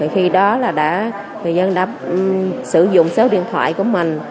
khi đó là đã người dân đã sử dụng số điện thoại của mình